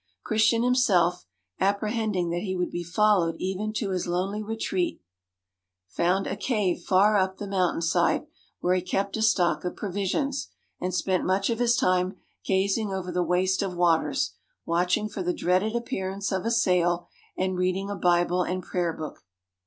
Christian himself, apprehending that he would be followed even to his lonely retreat, found a cave far up the mountain side, where he kept a stock of provisions, and spent much of his time gazing over the waste of waters, watching for the dreaded appearance of a sail, and reading a Bible and Prayer Book.